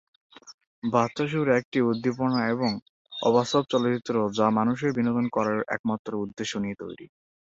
বাচ্চা শ্বশুর একটি উদ্দীপনা এবং অবাস্তব চলচ্চিত্র যা মানুষের বিনোদন করার একমাত্র উদ্দেশ্য নিয়ে তৈরি।